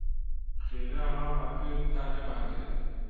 خێرا ڕامان کرد تا نەمانگرن.